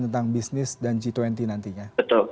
tentang bisnis dan g dua puluh nantinya